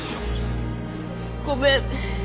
ごめん。